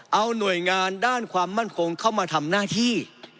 เอาหน่วยงานด้านความมั่นคงเข้ามาทำหน้าที่